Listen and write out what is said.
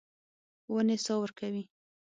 ونې سا ورکوي.